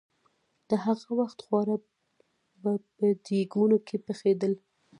د هغه وخت خواړه به په دېګونو کې پخېدل.